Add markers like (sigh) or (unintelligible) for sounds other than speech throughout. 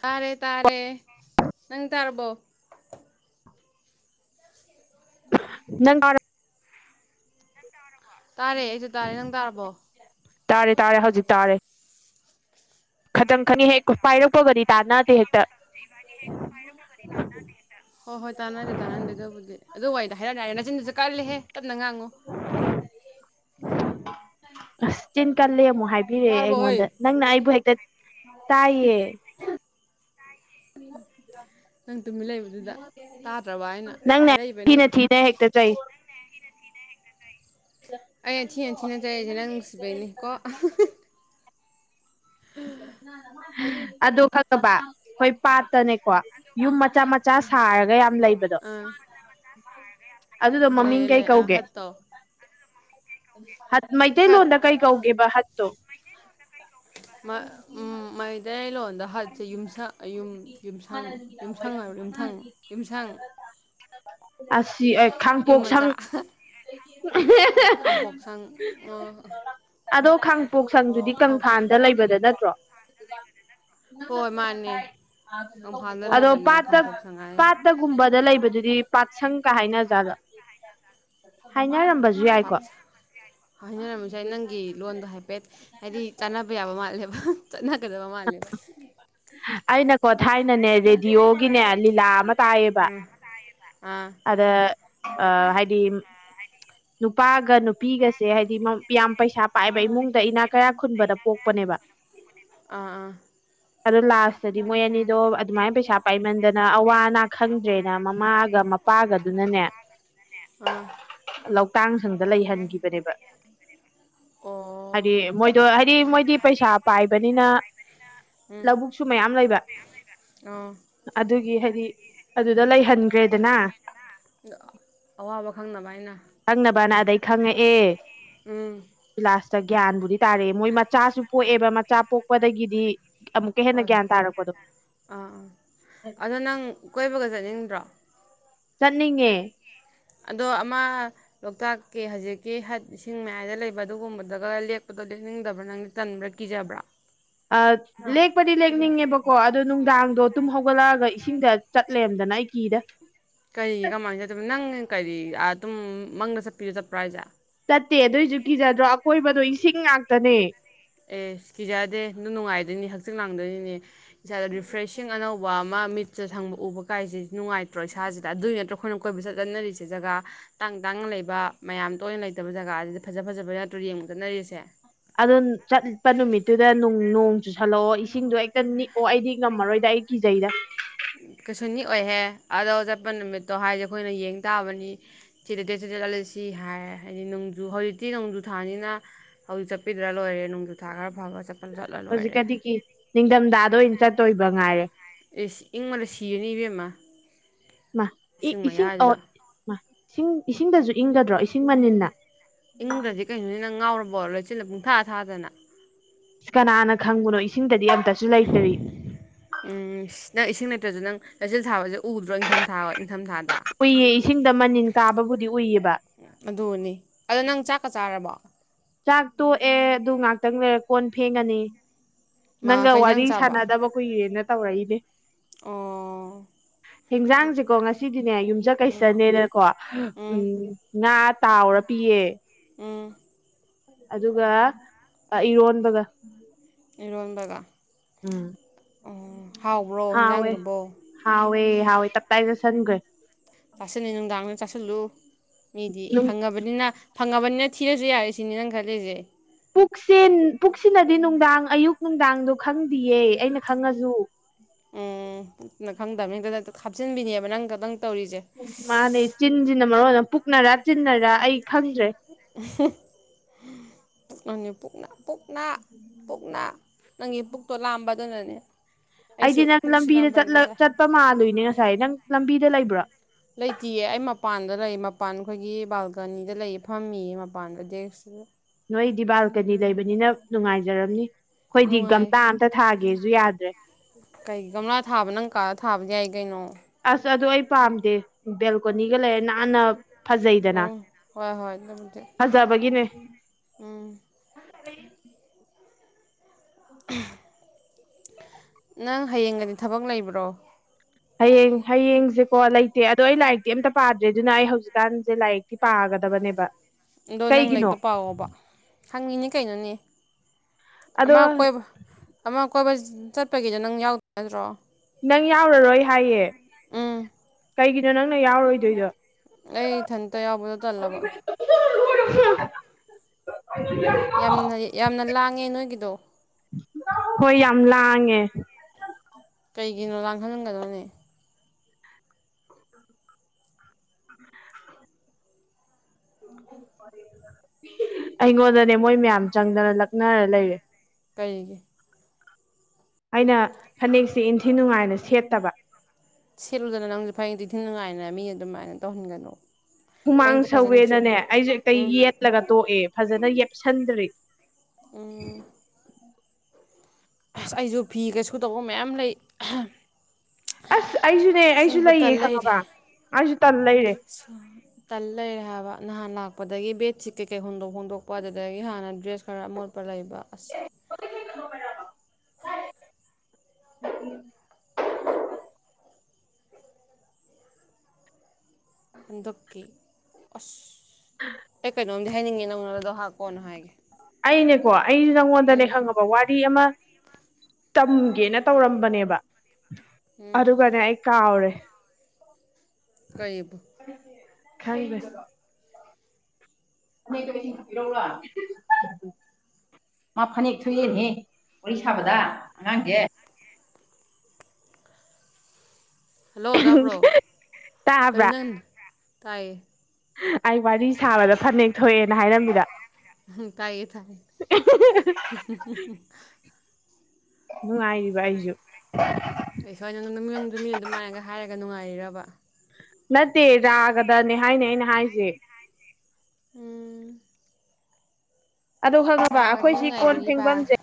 ꯇꯥꯔꯦ ꯇꯥꯔꯦ ꯅꯪ ꯇꯥꯔꯕꯣ (inaudible) (unintelligible) ꯇꯥꯔꯦ ꯑꯩꯖꯨ ꯇꯥꯔꯦ ꯅꯪ ꯇꯥꯔꯕꯣ ꯇꯥꯔꯦ ꯇꯥꯔꯦ ꯍꯧꯖꯤꯛ ꯇꯥꯔꯦ ꯇꯥꯔꯦ ꯈꯇꯪ ꯇꯥꯔꯦ ꯈꯪꯉꯤ ꯍꯦꯛ ꯍꯧꯖꯤꯛ ꯇꯥꯔꯦ ꯈꯇꯪ ꯄꯥꯏꯔꯛꯄꯒꯗꯤ ꯈꯇꯪꯗꯤ ꯇꯥꯟꯅꯗꯦ ꯆꯪꯉꯤ ꯍꯦꯛꯇ ꯃꯇꯝꯖꯦ ꯏꯕꯥꯅꯤ ꯍꯦꯛ ꯄꯥꯏꯔꯛꯄꯒꯗꯤ ꯇꯅ ꯍꯣꯏ ꯍꯣꯏ ꯇꯥꯟꯅꯗꯦ ꯇꯥꯟꯅꯗꯦ ꯑꯗꯨꯕꯨꯗꯤ ꯑꯗꯨ ꯋꯥꯔꯤꯗꯣ ꯍꯥꯏꯔꯛꯑꯅꯨ ꯌꯥꯔꯦ ꯅꯆꯤꯟꯗꯨꯁꯨ ꯀꯥꯜꯂꯦꯍꯦ ꯇꯞꯅ ꯉꯥꯡꯉꯨ ꯑꯁ ꯆꯤꯟ ꯀꯜꯂꯦ ꯑꯃꯨꯛ ꯍꯥꯏ ꯍꯥꯏꯕꯤꯔꯦ ꯇꯥꯔꯕꯣ ꯍꯣꯏ ꯑꯩꯉꯣꯟꯗ ꯅꯪꯅ ꯑꯩꯕꯨ ꯍꯦꯛꯇ ꯇꯥꯏꯌꯦ ꯅꯪ ꯇꯨꯃꯤꯟ ꯂꯩꯕꯗꯨꯗ ꯇꯥꯗ꯭ꯔꯕꯩꯅ ꯍꯥꯏꯔꯛꯏꯕꯅꯤ ꯍꯦꯛ ꯇ ꯆꯩ ꯑꯩꯅ ꯊꯤꯅ ꯊꯤꯅ ꯆꯩꯖꯦ ꯅꯪ ꯅꯨꯡꯁꯤꯕꯩꯅꯤꯀꯣ ꯑꯍ ꯍ ꯑꯗꯣ ꯈꯪꯉꯕ ꯈꯣꯏ ꯄꯥꯠꯇꯅꯦꯀꯣ ꯌꯨꯝ ꯃꯆꯥ ꯃꯆꯥ ꯁꯥꯔꯒ ꯌꯥꯝ ꯂꯩꯕꯗꯣ ꯑꯥ ꯑꯗꯨꯗꯣ ꯃꯃꯤꯡ ꯂꯩꯌꯦ ꯀꯩ ꯂꯩ ꯑꯥ ꯀꯧꯒꯦ ꯍꯠ ꯇꯧ ꯍꯠ ꯍꯠ ꯃꯩꯇꯩꯂꯣꯟꯗ ꯀꯩ ꯀꯧꯒꯦꯕ ꯍꯠꯇꯣ ꯃ ꯃꯩꯇꯩꯂꯣꯟꯗ ꯍꯥꯠ ꯌꯨꯝꯁ ꯌꯨꯝ ꯌꯨꯝꯁꯥꯡ ꯌꯨꯝꯁꯥꯡ ꯌꯨꯝꯊꯪ ꯌꯨꯝꯁꯥꯡ ꯑꯁꯤ ꯑꯦ ꯌꯨꯝ ꯈꯥꯡꯄꯣꯛ ꯁꯪ ꯃꯆꯥ ꯑꯍ ꯍ ꯈꯥꯝꯄꯣꯛꯁꯪ ꯑꯣ ꯑꯗꯣ ꯈꯥꯡꯄꯣꯛ ꯑꯣ ꯁꯪꯗꯨꯗꯤ ꯈꯥꯝ ꯀꯪꯐꯥꯟꯗ ꯂꯩꯕꯗ ꯅꯠꯇ꯭ꯔꯣ ꯍꯣꯏ ꯃꯥꯅꯦ ꯀꯪꯐꯥꯜꯗ ꯑꯗꯣ ꯂꯩꯕꯅꯦ ꯄꯥꯠꯇ ꯀꯥꯡꯄꯣꯛ ꯁꯉꯥꯏ ꯄꯥꯠꯇ ꯒꯨꯝꯕꯗ ꯂꯩꯕꯗꯨꯗꯤ ꯄꯥꯠꯁꯪꯒ ꯍꯥꯏꯅ ꯖꯥꯠꯂꯥ ꯍꯥꯏꯅꯔꯝꯕꯁ ꯄꯥꯠꯁ ꯍꯥꯏꯅꯔꯝꯕꯁꯨ ꯌꯥꯏ ꯅꯪꯒꯤ ꯂꯣꯟꯗꯣ ꯍꯥꯏꯐꯦꯠ ꯍꯥꯏꯗꯤ ꯆꯥꯟꯅꯕ ꯌꯥꯕ ꯃꯥꯜꯂꯦꯕ ꯆꯠꯅꯒꯗꯕ ꯃꯥꯜꯂꯦꯕ ꯑꯩꯅꯀꯣ ꯊꯥꯏꯅꯅꯦ ꯔꯦꯗꯤꯑꯣꯒꯤꯅꯦ ꯂꯤꯂꯥ ꯑꯃ ꯇꯥꯏꯌꯦꯕ ꯑꯝ ꯑꯥ ꯑꯗ ꯍꯥꯏꯗꯤ ꯅꯨꯄꯥꯒ ꯅꯨ ꯄꯤꯒꯁꯦ ꯍꯥꯏꯗꯤ ꯌꯥꯝ ꯄꯩꯁꯥ ꯄꯥꯏꯕ ꯏꯃꯨꯡꯗ ꯏꯅꯥ ꯀꯩꯔꯥꯛ ꯈꯨꯟꯕꯗ ꯄꯣꯛꯄꯅꯦꯕ ꯑꯥ ꯑꯥ ꯑꯗ ꯂꯥꯁ ꯇꯗꯤ ꯃꯣꯏ ꯑꯅꯤꯗꯣ ꯑꯗꯨꯃꯥꯏꯅ ꯄꯩꯁꯥ ꯄꯥꯏꯃꯟꯗꯅ ꯑꯋꯥ ꯑꯅꯥ ꯈꯪꯗ꯭ꯔꯦꯅ ꯃꯃꯥꯒ ꯃꯄꯥꯒꯗꯨꯅꯅꯦ ꯑꯥ ꯂꯧꯇꯥꯡ ꯁꯪꯗ ꯂꯩꯍꯟꯒꯤꯕꯅꯦꯕ ꯑꯣ ꯍꯥꯏꯗꯤ ꯃꯣꯏꯗꯣ ꯍꯥꯏꯗꯤ ꯃꯣꯏꯗꯤ ꯄꯩꯁꯥ ꯄꯥꯏꯕꯅꯤꯅ ꯎꯝ ꯁꯨ ꯃꯌꯥꯝ ꯂꯩꯕ ꯑꯣ ꯑꯗꯨꯒꯤ ꯍꯥꯏꯗꯤ ꯑꯗꯨꯗ ꯂꯩꯍꯟꯒ꯭ꯔꯦꯗꯅ ꯑꯗ ꯑꯋꯥꯕ ꯈꯪꯅꯕ ꯍꯥꯏꯅ ꯅꯪꯅꯕꯅ ꯑꯗꯩ ꯈꯪꯉꯛꯑꯦ ꯎꯝ ꯂꯥꯁꯇ ꯒ꯭ꯌꯥꯟꯕꯨꯗꯤ ꯇꯥꯔꯛꯑꯦ ꯃꯣꯏ ꯃꯆꯥꯁꯨ ꯄꯣꯛꯑꯦꯕ ꯃꯆꯥ ꯄꯣꯛꯄꯗꯒꯤꯗꯤ ꯑꯃꯨꯛꯀ ꯍꯦꯟꯅ ꯍꯣꯏ ꯒ꯭ꯌꯥꯟ ꯍꯣꯏ ꯇꯥꯔꯛꯄꯗꯣ ꯑꯥ ꯑꯥ ꯑꯗꯣ ꯅꯪ ꯀꯣꯏꯕꯒ ꯆꯠꯅꯤꯡꯗ꯭ꯔꯣ ꯆꯠꯅꯤꯡꯉꯦ ꯑꯗꯣ ꯑꯃ ꯂꯣꯛꯇꯥꯛꯀꯤ ꯍꯧꯖꯤꯛꯀꯤ ꯍꯠ ꯏꯁꯤꯡ ꯃꯌꯥꯏꯗ ꯂꯩꯕ ꯑꯗꯨꯒꯨꯝꯕꯗꯒ ꯂꯦꯛꯄꯗꯣ ꯂꯦꯛꯅꯤꯡꯗꯕ꯭ꯔ ꯅꯪ ꯇꯟꯕ꯭ꯔꯥ ꯀꯤꯖꯕ꯭ꯔꯥ ꯑ ꯂꯦꯛꯄꯗꯤ ꯂꯦꯛꯅꯤꯡꯉꯦꯕꯀꯣ ꯑꯗꯣ ꯅꯨꯡꯗꯥꯡꯗꯣ ꯇꯨꯝ ꯍꯧꯒꯠꯂꯛꯑꯒ ꯏꯁꯤꯡꯗ ꯆꯠ ꯂꯩꯔꯝꯗꯅ ꯑꯩ ꯀꯤꯗ ꯀꯔꯤꯒꯤ ꯀꯃꯥꯏꯅ ꯑꯗꯨꯕꯨ ꯅꯪ ꯀꯔꯤ ꯑꯗꯨꯝ ꯃꯪꯗ ꯆꯠꯄꯤꯔꯣ ꯆꯠꯄ꯭ꯔꯥ ꯍꯥꯏꯁꯦ ꯆꯠꯇꯦ ꯑꯗꯨꯑꯣꯏꯁꯨ ꯀꯤꯖꯗ꯭ꯔꯣ ꯑꯀꯣꯏꯕꯗꯣ ꯏꯁꯤꯡ ꯉꯥꯛꯇꯅꯦ ꯑꯦ ꯀꯤꯖꯗꯦ ꯑꯗꯨ ꯅꯨꯡꯉꯥꯏꯗꯣꯏꯅꯤ ꯍꯛꯆꯤꯛ ꯂꯥꯡꯗꯣꯏꯅꯤꯅꯦ ꯏꯁꯥꯗ ꯔꯤꯐ꯭ꯔꯦꯁꯤꯡ ꯑꯅꯧꯕ ꯋꯥ ꯑꯃ ꯃꯤꯠꯇ ꯁꯪꯕ ꯎꯕ ꯀꯥꯏꯁꯤ ꯅꯨꯡꯉꯥꯏꯇ꯭ꯔꯣ ꯏꯁꯥꯁꯤꯗ ꯑꯗꯨꯒꯤ ꯅꯠꯇ꯭ꯔꯣ ꯑꯩꯈꯣꯏꯅ ꯀꯣꯏꯕ ꯆꯠ ꯆꯟꯅꯔꯤꯁꯦ ꯖꯒꯥ ꯇꯥꯡ ꯇꯥꯡꯅ ꯂꯩꯕ ꯃꯌꯥꯝ ꯇꯣꯏꯅ ꯂꯩꯇꯕ ꯖꯒꯥꯁꯤꯗ ꯐꯖ ꯐꯖꯕ ꯅꯠꯇ꯭ꯔꯣ ꯌꯦꯡꯕ ꯆꯠꯅꯔꯤꯁꯦ ꯑꯗꯨ ꯆꯠꯄ ꯅꯨꯃꯤꯠꯇꯨꯗꯅꯨꯡ ꯅꯣꯡ ꯆꯨꯁꯜꯂꯛꯑꯣ ꯏꯁꯤꯡꯗꯣ ꯍꯦꯛꯇ ꯅꯤꯛꯑꯣ ꯑꯩꯗꯤ ꯉꯝꯃꯔꯣꯏꯗ ꯑꯩ ꯀꯤꯖꯩꯗ ꯀꯩꯁꯨ ꯅꯤꯛ ꯑꯣꯏꯍꯦ ꯑꯗꯣ ꯆꯠꯄ ꯅꯨꯃꯤꯠꯇꯣ ꯍꯥꯏꯗꯤ ꯑꯩꯈꯣꯏꯅ ꯌꯦꯡ ꯇꯥꯕꯅꯤ ꯁꯤꯗ ꯗꯦꯠꯁꯤꯗ ꯆꯠꯂꯁꯤ ꯍꯥꯏ ꯍꯥꯏꯗꯤ ꯅꯣꯡꯖꯨ ꯍꯧꯖꯤꯛꯇꯤ ꯅꯣꯡꯖꯨ ꯊꯥꯅꯤꯅ ꯍꯧꯖꯤꯛ ꯆꯠꯄꯤꯗ꯭ꯔ ꯂꯣꯏꯔꯦ ꯅꯣꯡꯖꯨꯊꯥ ꯈꯔ ꯐꯥꯔꯒ ꯆꯠ ꯍꯧꯖꯤꯛꯀꯗꯤꯀꯤ ꯅꯤꯡꯊꯝꯊꯥꯗ ꯑꯣꯏꯅ ꯆꯠꯇꯣꯏꯕ ꯉꯥꯏꯔꯦ ꯏꯁ ꯏꯪꯕꯅꯥ ꯁꯤꯔꯥꯅꯤ ꯏꯕꯦꯝꯃꯥ ꯏꯃꯥ ꯏ ꯏꯁꯤꯡ ꯑꯣ ꯃꯥ ꯏꯁꯤꯡ ꯏꯁꯤꯡꯗꯁꯨ ꯏꯪꯒꯗ꯭ꯔꯣ ꯏꯁꯤꯡ ꯃꯅꯤꯜꯅ ꯏꯪꯗ꯭ꯔꯗꯤ ꯀꯩꯅꯣꯅꯦ ꯅꯪ ꯉꯥꯎꯔꯕꯣ ꯂꯩꯆꯤꯟꯅ ꯄꯨꯡꯊꯥ ꯊꯥꯗꯅ ꯀꯅꯥꯅ ꯈꯪꯕꯅꯣ ꯏꯁꯤꯡꯗꯗꯤ ꯑꯝꯇꯁꯨ ꯂꯩꯇ꯭ꯔꯤ ꯎꯝ ꯅꯪ ꯏꯁꯤꯡ ꯂꯩꯇ꯭ꯔꯁꯨ ꯅꯪ ꯂꯩꯆꯜ ꯊꯥꯕꯁꯦ ꯎꯗ꯭ꯔꯣ ꯏꯪꯊꯝ ꯊꯥꯕ ꯏꯪꯊꯝ ꯊꯥꯗ ꯎꯏꯌꯦ ꯏꯁꯤꯡꯗ ꯃꯅꯤꯟ ꯀꯥꯕꯕꯨꯗꯤ ꯎꯏꯌꯦꯕ ꯑꯗꯨꯅꯤ ꯑꯗꯨ ꯅꯪ ꯆꯥꯛꯀ ꯆꯥꯔꯕꯣ ꯆꯥꯛ ꯇꯣꯛꯑꯦ ꯑꯗꯨ ꯉꯥꯛꯇꯪ ꯂꯩꯔ ꯀꯣꯟ ꯐꯦꯡꯉꯅꯤ ꯃꯥ ꯅꯪꯒ ꯀꯩꯖꯥꯡ ꯋꯥꯔꯤ ꯆꯥꯕ ꯁꯥꯟꯅꯗꯕ ꯀꯨꯏꯔꯦꯅ ꯇꯧꯔꯛꯏꯅꯦ꯫ ꯑꯣ꯫ ꯍꯤꯟꯖꯥꯡꯁꯤꯀꯣ ꯉꯁꯤꯗꯤꯅꯦ ꯎꯝ ꯌꯨꯝꯖꯀꯩꯁꯠꯅꯦꯅꯀꯣ ꯎꯝ ꯉꯥ ꯇꯥꯎꯔ ꯄꯤꯌꯦ꯫ ꯎꯝ ꯑꯗꯨꯒ ꯑ ꯏꯔꯣꯟꯕꯒ꯫ ꯏꯔꯣꯟꯕꯒ ꯎꯝ ꯑꯣ ꯍꯥꯎꯕ꯭ꯔꯣ ꯍꯥꯎꯋꯦ ꯍꯤꯟꯖꯥꯡꯗꯨꯕꯣ꯫ ꯍꯥꯎꯋꯦ ꯍꯥꯎꯋꯦ ꯇꯞ ꯇꯥꯏ ꯆꯥꯁꯟꯒ꯭ꯔꯦ꯫ ꯆꯥꯁꯤꯟꯅꯤ ꯅꯨꯡꯗꯥꯡꯗ ꯆꯥꯁꯤꯜꯂꯨ ꯃꯤꯗꯤ ꯐꯪꯉ ꯕꯅꯤꯅ ꯐꯪꯉꯕꯅꯤꯅ ꯊꯤꯔꯁꯨ ꯌꯥꯔꯦ ꯁꯤꯅꯤ ꯅꯪ ꯈꯜꯂꯤꯁꯦ꯫ ꯄꯨꯛꯁꯦꯟ ꯄꯨꯛꯁꯤꯅꯗꯤ ꯅꯨꯡꯗꯥꯡ ꯑꯌꯨꯛ ꯅꯨꯡꯗꯥꯡꯗꯣ ꯈꯪꯗꯤꯌꯦ ꯑꯩꯅ ꯈꯪꯉꯁꯨ꯫ ꯄꯨꯛꯅ ꯈꯪꯗꯕꯅꯤꯗ ꯗꯗꯛꯇ ꯍꯥꯞꯆꯤꯟꯕꯤꯅꯦꯕ ꯅꯪ ꯈꯛꯇꯪ ꯇꯧꯔꯤꯁꯦ꯫ ꯎ ꯃꯥꯅꯦ ꯆꯤꯟꯁꯤꯅ ꯃꯔꫭꯜ ꯑꯝ ꯄꯨꯛꯅꯔꯥ ꯆꯤꯟꯅꯔꯥ ꯑꯩ ꯈꯪꯗ꯭ꯔꯦ꯫ (unintelligible) ꯄꯨꯛꯅꯅꯦ ꯄꯨꯛꯅꯥ ꯄꯨꯛ ꯅꯥ ꯄꯨꯛꯅꯥ ꯅꯪꯒꯤ ꯄꯨꯛꯇꯣ ꯂꯥꯝꯕ ꯗꯨꯅꯅꯦ꯫ ꯑꯩꯗꯤ ꯅꯪ ꯂꯝꯕꯤꯗ ꯆꯠꯂ ꯆꯠꯄ ꯃꯥꯜꯂꯨꯏꯅꯦ ꯉꯁꯥꯏ ꯅꯪ ꯂꯝꯕꯤꯗ ꯂꯩꯕ꯭ꯔꯣ꯫ ꯂꯩꯇꯤꯌꯦ ꯑꯩ ꯃꯄꯥꯟꯗ ꯂꯩ ꯃꯄꯥꯟ ꯑꯈꯣꯏꯒꯤ ꯕꯥꯜꯀꫭꯅꯤꯗ ꯂꯩꯌꯦ ꯐꯝꯃꯤꯌꯦ ꯃꯄꯥꯟꯗ ꯗꯦꯁꯛ ꯅꯣꯏꯗꯤ ꯕꯥꯜꯀꯅꯤ ꯂꯩꯕꯅꯤꯅ ꯅꯨꯡꯉꯥꯏꯖꯔꯝꯅꯤ꯫ ꯈꫭꯏꯗꯤ ꯒꯝꯇꯥ ꯅꯨꯡꯉꯥꯏ ꯑꯝꯇ ꯊꯥꯒꯦꯁꯨ ꯌꯥꯗ꯭ꯔꯦ꯫ ꯀꯩ ꯒꯝꯂꯥ ꯊꯥꯕ ꯅꯪ ꯀꯥꯗ ꯊꯥꯕꯗꯤ ꯌꯥꯏ ꯀꯩꯅꯣ꯫ ꯑꯁ ꯑꯗꯨ ꯑꯩ ꯄꯥꯝꯗꯦ ꯕꯦꯜꯀꯣꯅꯤꯒ ꯂꯩꯔꯦ ꯅꯥꯟꯅ ꯐꯖꯩꯗꯅ ꯎꯝ ꯍꯣꯏ ꯐꯖꯕꯒꯤꯅꯦ꯫ ꯑꯝ (inaudible) (unintelligible) ꯅꯪ ꯍꯌꯦꯡꯒꯗꯤ ꯊꯕꯛ ꯂꯩꯕ꯭ꯔꯣ꯫ ꯍꯌꯦꯡ ꯍꯌꯦꯡꯁꯦꯀꯣ ꯂꯩꯇꯦ ꯑꯗꯣ ꯑꯩ ꯂꯥꯏꯔꯤꯛꯇꯤ ꯑꯝꯇ ꯄꯥꯗ꯭ꯔꯤ ꯑꯗꯨꯅ ꯑꯩ ꯍꯧꯖꯤꯛꯀꯥꯟꯁꯦ ꯂꯥꯏꯔꯤꯛ ꯇꯤ ꯄꯥꯒꯗꯕꯅꯦꯕ꯫ ꯑꯗꯣ ꯅꯪ ꯀꯩꯒꯤꯅꯣ ꯂꯥꯏꯛꯇꫭ ꯄꯥꯑꫭꯕ ꯍꯪꯉꯤꯅꯦ ꯀꯩꯅꯣꯅꯦ꯫ ꯑꯗꯣ ꯑꯃꯥ ꯀꯣꯏꯕ ꯑꯃ ꯀꯣꯏꯕ ꯆꯠꯄꯒꯤꯗ ꯅꯪ ꯌꯥꯎ ꯗ꯭ꯔꯣ꯫ ꯅꯪ ꯌꯥꯎꯔꯔꯣꯏ ꯍꯥꯏꯌꯦ ꯎꯝ ꯀꯩꯒꯤꯅꯣ ꯅꯪꯅ ꯌꯥꯎꯔꯣꯏꯗꯣꯏꯗꯣ꯫ ꯑꯩ ꯏꯊꯟꯇ ꯌꯥꯎꯕꯗꯣ ꯇꯜꯂꯕ꯫ (unintelligible) (unintelligible) ꯌꯥꯝꯅ ꯌꯥꯝꯅ ꯂꯥꯡꯉꯦ ꯅꯣꯏꯒꯤꯗꯣ꯫ ꯍꯣꯏ ꯌꯥꯝ ꯂꯥꯡꯉꯦ꯫ ꯀꯩꯒꯤꯅꯣ ꯂꯥꯡꯍꯟꯒꯅꯣꯅꯦ꯫ (inaudible) (inaudible) ꯑꯩꯉꯣꯟꯗꯅꯦ ꯃꯣꯏ ꯃꯌꯥꯝ ꯆꯪꯗꯅ ꯂꯛꯅꯔ ꯂꯩꯔꯦ꯫ ꯀꯩꯒꯤ꯫ ꯑꯩꯅ ꯐꯅꯦꯛꯁꯦ ꯏꯟꯊꯤ ꯅꯨꯡꯉꯥꯏꯅ ꯁꯦꯠꯇꯕ꯫ ꯁꯦꯠꯂꯨꯗꯅ ꯅꯪꯁꯨ ꯐꯅꯦꯛ ꯏꯡꯊꯤ ꯅꯨꯡꯉꯥꯏꯅ ꯃꯤ ꯑꯗꯨꯃꯥꯏꯅ ꯇꯧꯍꯟꯒꯅꯨ꯫ ꯍꯨꯃꯥꯡ ꯐꯅꯦꯛꯇꯣ ꯐꯖꯅ ꯁꯦꯠꯂꯨ ꯁꯧꯋꯦꯅꯅꯦ ꯑꯩꯁꯦ ꯍꯦꯛꯇ ꯎꯝ ꯌꯦꯠꯂꯒ ꯇꯣꯛꯑꯦ ꯐꯖꯅ ꯌꯦꯞꯁꯟꯗ꯭ꯔꯤ꯫ ꯎꯝ ꯑꯁ ꯑꯩꯁꯨ ꯐꯤꯒ ꯁꯨꯗꯧꯕ ꯃꯌꯥꯝ ꯂꯩ (unintelligible) ꯑꯁ ꯑꯩꯁꯨꯅꯦ ꯑꯩꯁꯨ ꯁꯨꯕ ꯂꯩꯌꯦ ꯇꯟ ꯈꯪꯉꯕ ꯑꯩꯁꯨ ꯇꯟ ꯂꯩꯔꯦ꯫ (unintelligible) ꯇꯟ ꯂꯩꯔꯦ ꯍꯥꯏꯕ ꯅꯍꯥꯟ ꯂꯥꯛꯄꯗꯒꯤ ꯕꯦꯠꯁꯤꯠ ꯀꯩꯀꯩ ꯍꯣꯡꯗꯣꯛ ꯍꯣꯡꯗꯣꯛꯄ ꯑꯗꯨꯗꯒꯤ ꯍꯥꯟꯅ ꯗ꯭ꯔꯦꯁ ꯈꯔ ꯑꯃꯣ ꯄ ꯂꯩꯕ ꯑꯁ (unintelligible) (inaudible) ꯍꯟꯗꯛꯀꯤ ꯑꯁ ꯑꯩ ꯀꯩꯅꯣꯝꯗꯤ ꯍꯥꯏꯅꯤꯡꯉꯦ ꯅꯪꯉꯣꯟꯗ ꯗꯣ ꯑꯩꯅꯦꯀꯣ ꯑꯩꯖꯨ ꯅꯪꯉꯣꯟꯗꯅꯦ ꯎꯝ ꯈꯪꯉ ꯋꯥꯔꯤ ꯑꯃ ꯇꯝꯒꯦꯅ ꯇꯧꯔꯝꯕꯅꯦꯕ ꯎꯝ ꯑꯗꯨꯒꯅꯦ ꯑꯩ ꯀꯥꯎꯔꯦ ꯀꯩꯕꯨ ꯈꯪꯗꯦ (unintelligible) ꯃꯥ ꯐꯅꯦꯛ ꯊꯣꯛꯑꯦꯅꯦꯍꯦ ꯋꯥꯔꯤ ꯁꯥꯕꯗ ꯑꯉꯥꯡꯖꯦ ꯍꯜꯂꯣ ꯇꯥꯕ꯭ꯔꯣ ꯀꯔꯤ ꯇꯥꯕ꯭ꯔꯥ ꯅꯪ ꯇꯥꯏꯌꯦ ꯑꯩ ꯋꯥꯔꯤ ꯁꯥꯕꯗ ꯐꯅꯦꯛ ꯊꯣꯛꯑꯦꯅ ꯍꯥꯏꯔꯝꯃꯤꯕ ꯇꯥꯏꯌꯦ ꯇꯥꯏ ꯅꯨꯉꯥꯏꯔꯤꯕ ꯑꯩꯖꯨ ꯑꯩ ꯁꯣꯏ ꯑꯅ ꯅ ꯅꯪꯖꯨ ꯃꯤꯗꯨꯃꯥꯏꯒ ꯍꯥꯏꯔꯒ ꯅꯨꯡꯉꯥꯏꯔꯤꯔꯕ ꯅꯠꯇꯦ ꯔꯥꯒꯗꯅꯦ ꯍꯥꯏꯅꯦ ꯑꯩꯅ ꯍꯥꯏꯁꯦ ꯎꯝ ꯑꯗꯨ ꯈꯪꯉꯕ ꯀꯥꯒꯗꯣ ꯑꯈꯣꯏꯁꯤ ꯀꯣꯟ ꯅꯨꯡꯉꯥꯏꯕꯤꯔꯤꯕ ꯐꯦꯡꯕꯝꯖꯦ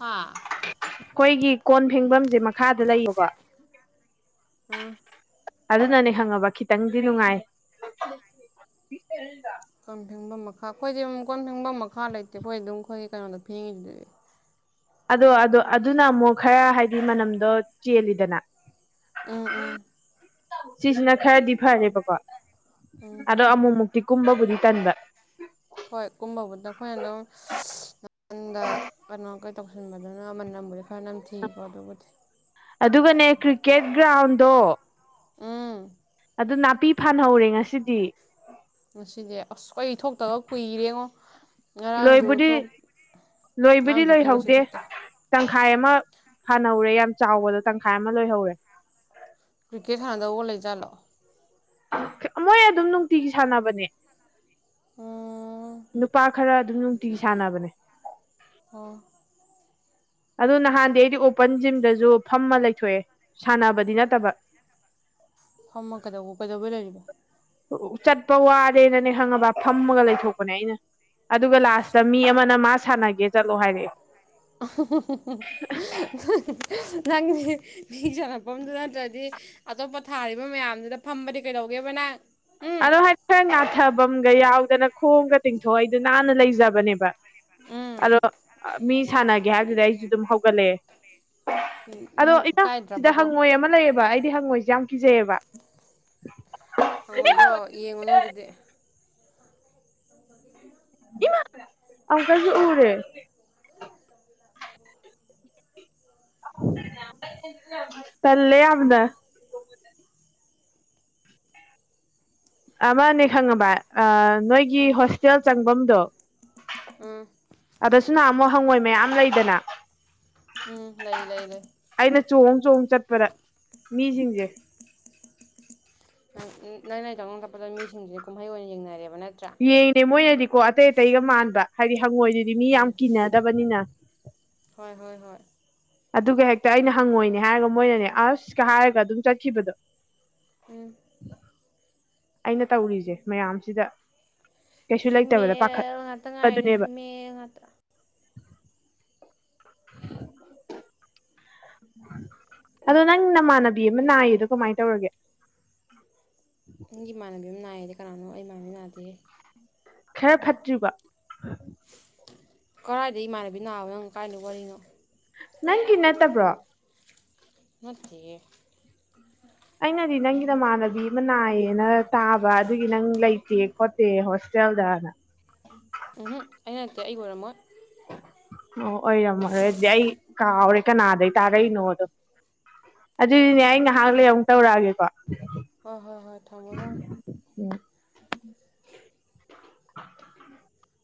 ꯍꯥ ꯑꯈꯣꯏꯒꯤ ꯀꯣꯟ ꯐꯦꯡꯕꯝꯁꯦ ꯃꯈꯥꯗ ꯂꯩꯌꯣꯕ ꯎꯝ ꯑꯗꯨꯅꯅꯦ ꯈꯡꯉꯕ ꯈꯤꯇꯪꯗꯤ ꯅꯨꯡꯉꯥꯏ ꯀꯣꯟ ꯐꯦꯡꯕꯝ ꯃꯈꯥ ꯈꯣꯏꯗꯤ ꯑꯗꯨꯝ ꯀꯣꯟ ꯐꯦꯡꯕ ꯃꯈꯥ ꯂꯩꯇꯦ ꯑꯈꯣꯏ ꯑꯗꯨꯝ ꯑꯈꯣꯏꯒꯤ ꯀꯩꯅꯣꯗ ꯐꯦꯡꯉꯤꯗꯨꯗꯤ ꯑꯗꯣ ꯑꯗꯣ ꯑꯗꯨꯅ ꯃꯨꯛ ꯈꯔ ꯍꯥꯏꯗꯤ ꯃꯅꯝꯗꯣ ꯆꯦꯜꯂꯤꯗꯅ ꯎꯝ ꯎꯝ ꯁꯤꯖꯤꯅ ꯈꯔꯗꯤ ꯐꯔꯦꯕꯀꯣ ꯎꯝ ꯑꯗꯣ ꯑꯃꯨꯛꯃꯨꯛꯇꯤ ꯀꯨꯝꯕꯕꯨꯗꯤ ꯇꯟꯕ ꯍꯣꯏ ꯀꯨꯝꯕꯕꯨꯗ ꯈꯣꯏ (unintelligible) (unintelligible) ꯀꯩꯅꯣ ꯀꯩ ꯇꯧꯁꯤꯟꯕꯗꯨꯅ ꯃꯅꯝꯕꯨꯗꯤ ꯈꯔ ꯅꯝꯊꯤꯀꯣ ꯑꯗꯨꯕꯨꯗꯤ ꯑꯗꯨꯒꯅꯦ ꯀ꯭ꯔꯤꯀꯦꯠ ꯒ꯭ꯔꯥꯎꯟꯗꯣ ꯎꯝ ꯑꯗꯨ ꯅꯥꯄꯤ ꯐꯥꯟꯍꯧꯔꯦ ꯉꯁꯤꯗꯤ ꯉꯁꯤꯗꯤ ꯑꯁ ꯀꯩ ꯊꯣꯛꯇꯕ ꯀꯨꯏꯔꯦꯉꯣ ꯉꯔꯥꯡꯖꯨ ꯂꯣꯏꯕꯨꯗꯤ ꯊꯣꯛ ꯂꯣꯏꯕꯨꯗꯤ ꯉꯔꯥꯡ ꯊꯣꯛꯇꯦ ꯉꯁꯤ ꯂꯣꯏꯍꯧꯗꯦ ꯊꯣꯛꯇꯦ ꯇꯪꯈꯥꯏ ꯑꯃ ꯐꯥꯟꯍꯧꯔꯦ ꯌꯥꯝ ꯆꯥꯎꯕꯗ ꯇꯪꯈꯥꯏ ꯑꯃ ꯂꯣꯏꯍꯧꯔꯦ ꯀ꯭ꯔꯤꯀꯦꯠ ꯁꯟꯅꯗꯧꯕ ꯂꯩ ꯖꯥꯠꯂꯣ ꯃꯣꯏ ꯑꯗꯨꯝ ꯅꯨꯡꯇꯤꯒꯤ ꯁꯥꯟꯅꯕꯅꯦ ꯎꯝ ꯅꯨꯄꯥ ꯈꯔ ꯑꯗꯨꯝ ꯅꯨꯡꯇꯤꯒꯤ ꯁꯥꯟꯅꯕꯅꯦ ꯑꯣ ꯑꯗꯨ ꯅꯍꯥꯟꯗꯤ ꯑꯩꯗꯤ ꯑꯣꯄꯟ ꯖꯤꯝꯗꯖꯨ ꯐꯝꯃ ꯂꯩꯊꯣꯛꯑꯦ ꯁꯥꯟꯅꯕꯗꯤ ꯅꯠꯇꯕ ꯐꯝꯃ ꯀꯩꯗꯧ ꯀꯩꯗꯧꯕꯩ ꯂꯩꯔꯤꯕ ꯆꯠꯄ ꯋꯥꯔꯦꯅꯅꯦ ꯈꯡꯉꯕ ꯐꯝꯃꯒ ꯂꯩꯊꯣꯛꯄꯅꯦ ꯑꯩꯅ ꯑꯗꯨꯒ ꯂꯥꯁꯇ ꯃꯤ ꯑꯃꯅ ꯃꯥ ꯁꯥꯟꯅꯒꯦ ꯆꯠꯂꯣ ꯍꯥꯏꯔꯛꯑꯦ ꯅꯪꯗꯤ ꯃꯤ ꯆꯪꯉꯛꯄꯝꯗꯨ ꯅꯠꯇ꯭ꯔꯗꯤ ꯑꯇꯣꯞꯄ ꯊꯥꯔꯤꯕ ꯃꯌꯥꯝꯗꯨꯗ ꯐꯝꯕꯗꯤ ꯀꯩꯗꯧꯒꯦꯕ ꯅꯪ ꯎꯝ ꯑꯗꯣ ꯍꯥꯏꯐꯦꯠ ꯉꯥꯊꯕꯝꯒ ꯌꯥꯎꯗꯅ ꯈꯣꯡꯒ ꯇꯤꯡꯊꯣꯛꯏꯗꯨ ꯅꯥꯟꯅ ꯂꯩꯖꯕꯅꯦꯕ ꯎꯝ ꯑꯗꯣ ꯑꯥ ꯃꯤ ꯁꯥꯟꯅꯒꯦ ꯍꯥꯏꯕꯗꯨꯗꯤ ꯑꯩꯁꯨ ꯑꯗꯨꯝ ꯍꯧꯒꯠꯂꯛꯑꯦ ꯑꯗꯣ ꯅꯪ ꯏꯃ ꯁꯤꯗ ꯏꯀꯥꯏꯗ꯭ꯔꯕꯗꯣ ꯍꯪꯉꯣꯏ ꯑꯃ ꯂꯩꯌꯦꯕ ꯑꯩꯗꯤ ꯍꯪꯉꯣꯏ ꯌꯥꯝ ꯀꯤꯖꯩꯌꯦꯕ ꯍꯉꯣꯏꯗꯣ ꯌꯦꯡꯉꯨꯅꯣ ꯑꯗꯨꯗꯤ (unintelligible) ꯏꯃꯥ ꯑꯀꯁꯨ ꯎꯔꯦ (inaudible) ꯇꯜꯂꯦ ꯌꯥꯝꯅꯥ ꯑꯃꯅꯦ ꯈꯪꯉꯕ ꯑꯥ ꯅꯣꯏꯒꯤ ꯎꯝ ꯍꯣꯁꯇꯦꯜ ꯆꯪꯕꯝꯗꯣ ꯎꯝ ꯑꯗꯁꯨ ꯅꯍꯥꯃꯣꯛ ꯍꯪꯉꯣꯏ ꯃꯌꯥꯝ ꯂꯩꯗꯅ ꯎꯝ ꯂꯩ ꯂꯩ ꯂꯩ ꯑꯩꯅ ꯆꯣꯡ ꯆꯣꯡ ꯆꯠꯄꯗ ꯃꯤꯁꯤꯡꯖꯦ (unintelligible) ꯀꯛꯄꯗ ꯃꯤꯁꯤꯡꯁꯤ ꯀꯨꯝꯍꯩ ꯑꯣꯏꯅ ꯌꯦꯡꯅꯔꯦꯕ ꯅꯠꯇ꯭ꯔꯥ ꯌꯦꯡꯗꯦ ꯃꯣꯏꯅꯗꯤꯀꯣ ꯑꯇꯩ ꯑꯇꯩꯒ ꯃꯥꯟꯕ ꯍꯥꯏꯗꯤ ꯍꯪꯉꯣꯏꯗꯨꯗꯤ ꯃꯤ ꯎꯝ ꯌꯥꯝ ꯀꯤꯅꯗꯕꯅꯤꯅ ꯍꯣꯏ ꯍꯣꯏ ꯍꯣꯏ ꯑꯗꯨꯒ ꯍꯦꯛꯇ ꯑꯩꯅ ꯍꯪꯉꯣꯏꯅꯦ ꯍꯥꯏꯔꯒ ꯃꯣꯏꯅꯅꯦ ꯑꯁꯀ ꯍꯥꯏꯔꯒ ꯑꯗꯨꯝ ꯆꯠꯈꯤꯕꯗꯣ ꯎꯝ ꯑꯩꯅ ꯇꯧꯔꯤꯖꯦ ꯃꯌꯥꯝꯁꯤꯗ ꯀꯩꯁꯨ ꯂꯩꯇꯕꯗ ꯄꯥꯈꯠꯄꯗꯨꯅꯦꯕ ꯍꯦ ꯉꯥꯇ ꯑꯗꯣ ꯅꯪ ꯅꯃꯥꯟꯅꯕꯤ ꯑꯃ ꯅꯥꯏꯌꯦꯗꯣ ꯀꯃꯥꯏꯟ ꯇꯧꯔꯒꯦ ꯅꯪꯒꯤ ꯏꯃꯥꯟꯅꯕꯤ ꯑꯃ ꯅꯥꯏꯌꯦꯗꯤ ꯀꯅꯥꯅꯣ ꯑꯩꯃꯅꯕꯤ ꯅꯥꯗꯦ ꯈꯔ ꯐꯠꯇ꯭ꯔꯤꯕ ꯀꯔꯥꯏꯗꯩ ꯏꯃꯥꯟꯅꯕꯤ ꯅꯥꯕ ꯅꯪ ꯀꯥꯔꯏꯗꯩ ꯋꯥꯔꯤꯅꯣ ꯅꯪꯒꯤ ꯅꯠꯇꯕ꯭ꯔꯣ ꯅꯠꯇꯦꯌꯦ ꯑꯩꯅꯗꯤ ꯅꯪꯒꯤ ꯅꯃꯥꯟꯅꯕꯤ ꯑꯃ ꯅꯥꯏꯌꯦꯅ ꯇꯥꯕ ꯑꯗꯨꯒꯤ ꯅꯪ ꯂꯩꯇꯦ ꯈꯣꯠꯇꯦ ꯍꯣꯁ ꯇꯦꯜꯗꯅ ꯎꯝꯍꯨꯝ ꯑꯩꯅ ꯅꯠꯇꯦ ꯑꯩ ꯑꯣꯏꯔꯝꯃꯣꯏ ꯑꯣ ꯑꯣꯏꯔꯝꯃꯔꯣꯏ ꯑꯗꯨꯗꯤ ꯑꯩ ꯀꯥꯎꯔꯦ ꯀꯅꯥꯗꯩ ꯇꯥꯔꯛꯏꯅꯣꯗꯣ ꯍꯣꯏ ꯑꯗꯨꯏꯗꯤꯅꯦ ꯑꯩ ꯉꯥꯏꯍꯥꯛ ꯂꯩ ꯑꯃꯨꯛ ꯇꯧꯔꯛꯑꯒꯦꯀꯣ ꯍꯣꯏ ꯍꯣꯏ ꯍꯣꯏ ꯊꯝꯃꯣ ꯊꯝ ꯎꯝ (inaudible)